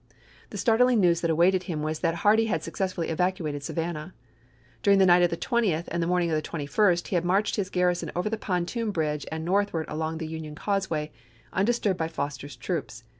The startling news that awaited him was that Hardee had successfully evacuated Savannah. During the night of the 20th and the morning of the 21st, he had marched his garrison over the pontoon bridge and northward along the Union causeway, undis turbed by Foster's troops.